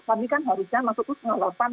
kami kan harusnya masuk ke pengawasan